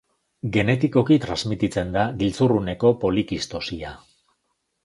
Genetikoki transmititzen da giltzurruneko polikistosia.